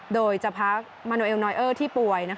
โดยจะพักมาโนเอลนอยเออร์ที่ป่วย